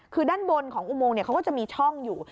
คือด้านบนของอุโมงเขาก็จะมีช่องอยู่